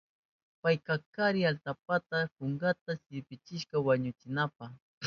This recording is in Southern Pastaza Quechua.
Payka kari atallpata kunkanta sipirka wañuchinanpa.